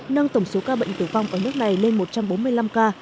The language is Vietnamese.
nâng tổng số ca bệnh tử vong ở nước này lên một trăm bốn mươi năm ca